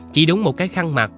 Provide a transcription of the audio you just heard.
chỉ đúng một cái khăn mặt